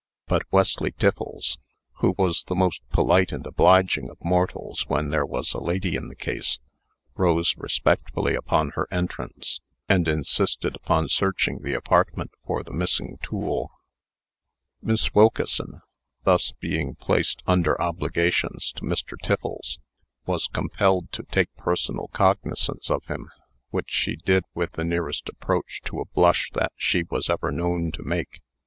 But Wesley Tiffles, who was the most polite and obliging of mortals when there was a lady in the case, rose respectfully upon her entrance, and insisted upon searching the apartment for the missing tool. Miss Wilkeson, thus being placed under obligations to Mr. Tiffles, was compelled to take personal cognizance of him, which she did with the nearest approach to a blush that she was ever known to make.